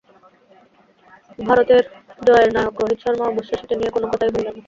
ভারতের জয়ের নায়ক রোহিত শর্মা অবশ্য সেটি নিয়ে কোনো কথাই বললেন না।